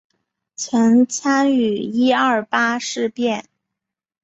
曾参与一二八事变。